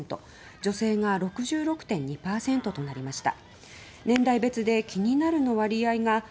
女性が６６．２％となりました。